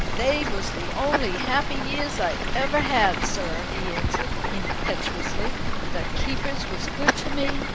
"'They was the only happy years I ever had, sir,' he answered, impetuously. 'The keepers was good to me.